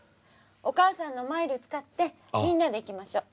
お母さんのマイル使ってみんなで行きましょう。